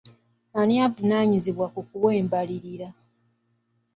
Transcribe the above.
Ani avunaanyizibwa ku kuwa embalirira?